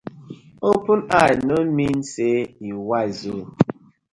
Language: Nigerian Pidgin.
Open eye no mean say yu wise ooo.